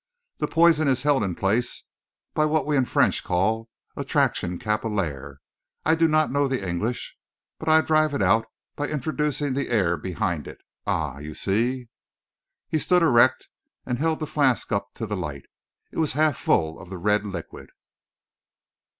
"The poison is held in place by what we in French call attraction capillaire I do not know the English; but I drive it out by introducing the air behind it ah, you see!" He stood erect and held the flask up to the light. It was half full of the red liquid.